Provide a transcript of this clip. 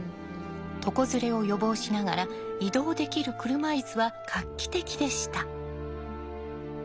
床ずれを予防しながら移動できる車いすは画期的でした。